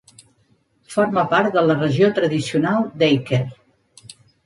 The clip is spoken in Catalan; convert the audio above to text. Forma part de la regió tradicional d'Eiker.